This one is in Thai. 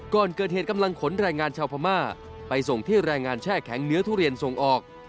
ก่อนเกิดเหตุกำลังขนแรงงานชาวพม่าไปส่งที่แรงงานแช่แข็งเนื้อทุเรียนส่งออก